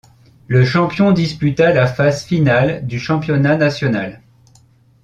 Le champion disputa la phase finale du championnat national.